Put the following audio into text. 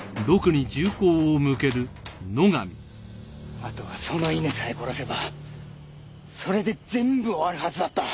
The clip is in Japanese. あとはその犬さえ殺せばそれで全部終わるはずだった。